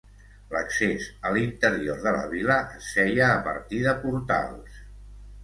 L'accés a l'interior de la vila es feia a partir de portals.